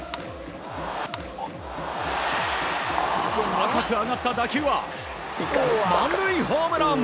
高く上がった打球は満塁ホームラン！